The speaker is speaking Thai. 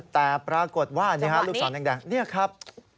แต่ปรากฏว่าลูกศรแดงนี่ครับ